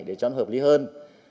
để cho nó hợp lý hơn